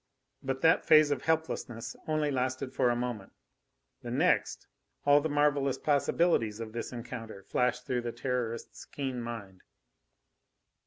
But that phase of helplessness only lasted for a moment; the next, all the marvellous possibilities of this encounter flashed through the Terrorist's keen mind.